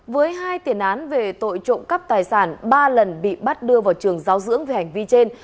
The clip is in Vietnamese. với hai tiền án về tội trộm cắp tài sản ba lần bị bắt đưa vào trường giáo dưỡng về hành vi trên